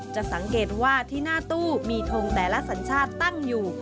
จะสังเกตว่าที่หน้าตู้มีทงแต่ละสัญชาติตั้งอยู่